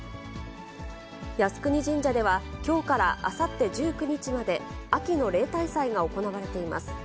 靖国神社では、きょうからあさって１９日まで、秋の例大祭が行われています。